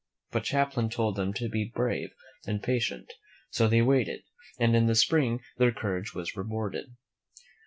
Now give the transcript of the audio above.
But Champlain told them to be brave and patient; so they waited, and in the spring their courage was rewarded.